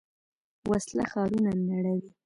وسله ښارونه نړوي